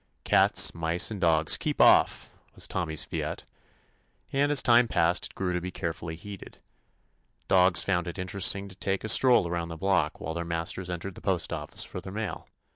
"Cats, mice, and dogs, keep off I" was Tommy's fiat, and as time passed it grew to be carefully heeded. Dogs found it interesting to take a stroll around the block while their masters entered the postoffice for their mail.